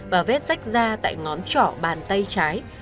và vết rách ra tại ngón trỏ bàn tay trái